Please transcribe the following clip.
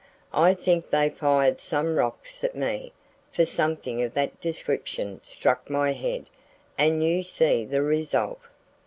I think they fired some rocks at me, for something of that description struck my head, and you see the result.